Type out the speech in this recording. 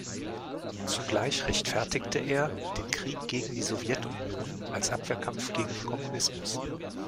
Zugleich rechtfertigte er den Krieg gegen die Sowjetunion als Abwehrkampf gegen den Kommunismus.